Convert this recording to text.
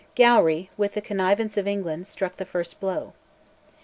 Gowrie, with the connivance of England, struck the first blow.